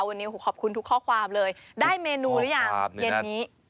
วันนี้ขอบคุณทุกข้อความเลยได้เมนูหรือยังเย็นนี้